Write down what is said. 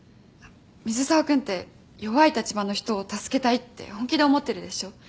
水沢君って弱い立場の人を助けたいって本気で思ってるでしょ。